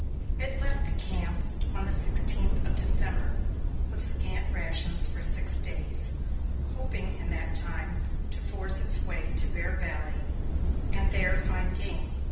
It left the camp on the sixteenth of December, with scant rations for six days, hoping in that time to force its way to Bear Valley and there find game.